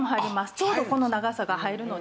ちょうどこの長さが入るので。